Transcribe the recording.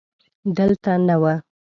دلته نه و.